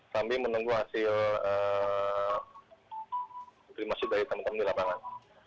sambil menunggu hasil terima kasih dari teman teman di lapangan